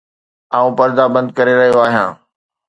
آئون پردا بند ڪري رهيو آهيان